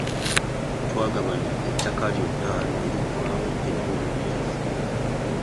Twagabana ettaka lyonna ne liggwaawo era buli omu yafuna.